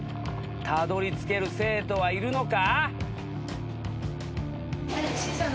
たどりつける生徒はいるのか！？